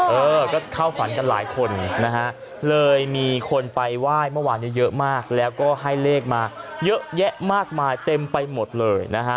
เออก็เข้าฝันกันหลายคนนะฮะเลยมีคนไปไหว้เมื่อวานนี้เยอะมากแล้วก็ให้เลขมาเยอะแยะมากมายเต็มไปหมดเลยนะฮะ